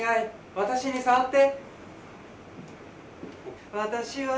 私に早く触って！」。